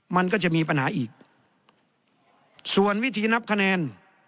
มันก็จะมีปัญหาอีกส่วนวิธีนับคะแนน